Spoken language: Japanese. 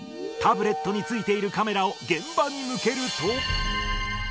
タブレットについているカメラを現場に向けると。